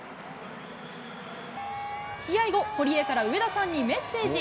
試合後、堀江から上田さんにメッセージ。